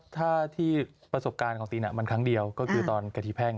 ถ้าที่ประสบการณ์ของตีนมันครั้งเดียวก็คือตอนกะทิแพ่ง